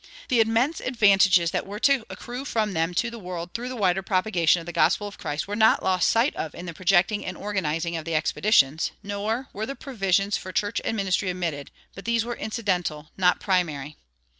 The immense advantages that were to accrue from them to the world through the wider propagation of the gospel of Christ were not lost sight of in the projecting and organizing of the expeditions, nor were provisions for church and ministry omitted; but these were incidental, not primary.